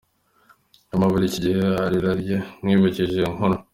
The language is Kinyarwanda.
Mama buri gihe ararira iyo mwibukije iyo nkuru.